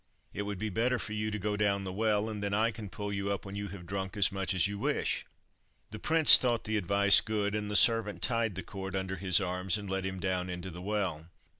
It would be better for you to go down the well, and then I can pull you up when you have drunk as much as you wish." The prince thought the advice good, and the servant tied the cord under his arms, and let him down into the well.